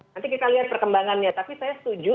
nanti kita lihat perkembangannya tapi saya setuju